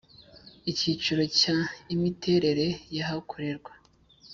Icyiciro cya imiterere y ahakorerwa